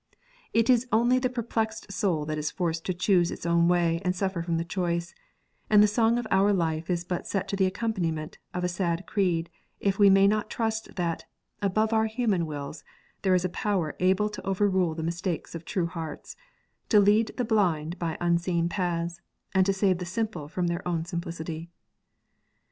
It is only the perplexed soul that is forced to choose its own way and suffer from the choice, and the song of our life is but set to the accompaniment of a sad creed if we may not trust that, above our human wills, there is a Power able to overrule the mistakes of true hearts, to lead the blind by unseen paths, and save the simple from their own simplicity.